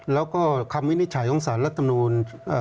แล้วก็คำวินิจฉัยของสารรัฐมนูล